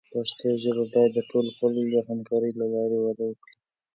پښتو ژبه باید د ټولو خلکو د همکارۍ له لارې وده وکړي.